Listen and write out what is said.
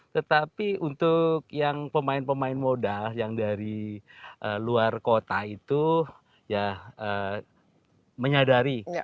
tetapi untuk yang pemain pemain modal yang dari luar kota itu ya menyadari